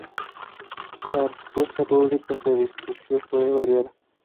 La respuesta pública al discurso fue variada.